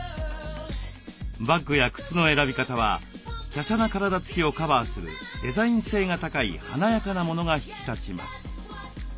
バッグや靴の選び方は華奢な体つきをカバーするデザイン性が高い華やかなものが引き立ちます。